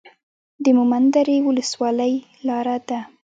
د مومند درې ولسوالۍ لاره ده